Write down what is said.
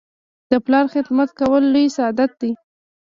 د پلار خدمت کول لوی سعادت دی.